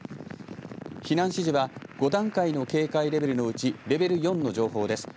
避難指示は５段階の警戒レベルのうちレベル４の情報です。